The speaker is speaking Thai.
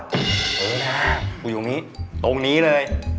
ช่วยนะกูตรงนี้เลย